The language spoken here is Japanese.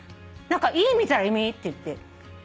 「何かいい」みたいな意味？って言って。